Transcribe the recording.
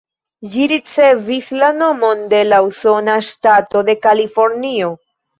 Ĝi ricevis la nomon de la usona ŝtato de Kalifornio.